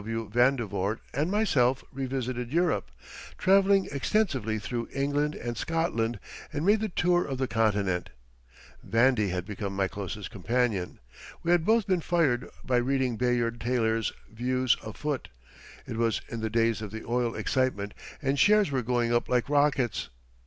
W. Vandevort, and myself revisited Europe, traveling extensively through England and Scotland, and made the tour of the Continent. "Vandy" had become my closest companion. We had both been fired by reading Bayard Taylor's "Views Afoot." It was in the days of the oil excitement and shares were going up like rockets.